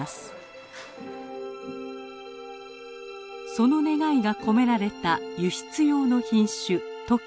その願いが込められた輸出用の品種トキ。